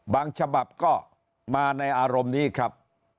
ฉบับก็มาในอารมณ์นี้ครับ